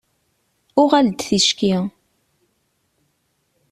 Uɣal-d ticki.